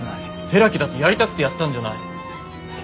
寺木だってやりたくてやったんじゃない。